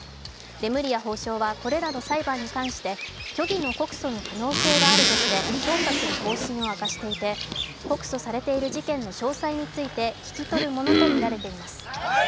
レムリヤ法相は、これらの裁判に関して虚偽の告訴の可能性があるとして調査する方針を明かしていて告訴されている事件の詳細について聞き取るものとみられています。